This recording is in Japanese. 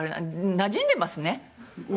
なじんでますね